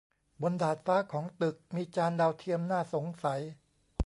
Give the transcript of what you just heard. บนดาดฟ้าของตึกมีจานดาวเทียมน่าสงสัย